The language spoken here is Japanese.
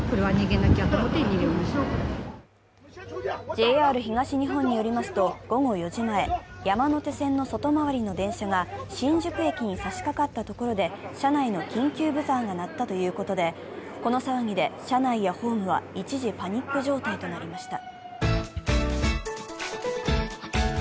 ＪＲ東日本によりますと午後４時前、山手線の外回りの電車が新宿駅に差しかかったところで車内の緊急ブザーが鳴ったということで、この騒ぎで車内やホームは一時パニック状態となりました。